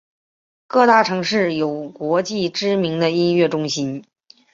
各大城市有国际知名的音乐中心。